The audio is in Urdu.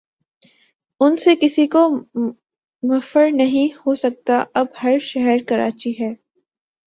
ان سے کسی کو مفر نہیں ہو سکتا اب ہر شہر کراچی ہے۔